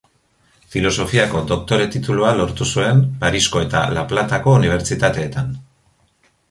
Filosofiako doktore-titulua lortu zuen Parisko eta La Platako unibertsitateetan.